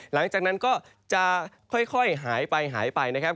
หลังจากนั้นก็จะค่อยหายไปหายไปนะครับ